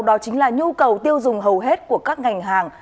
đó chính là nhu cầu tiêu dùng hầu hết của các ngành hàng